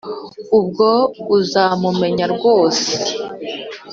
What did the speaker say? ubwo uzamumenya rwose